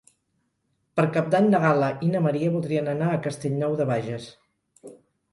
Per Cap d'Any na Gal·la i na Maria voldrien anar a Castellnou de Bages.